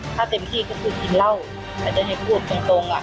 ถ้าเต็มที่ก็คือกินเหล้าแต่จะให้พูดตรงอ่ะ